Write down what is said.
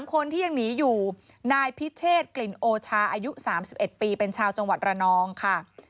คนที่ยังหนีอยู่นายพิเชษกลิ่นโอชาอายุ๓๑ปีเป็นชาวจังหวัดระนองค่ะ